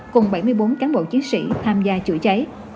cùng bảy mươi bốn cán bộ chiến sĩ tham gia chữa cháy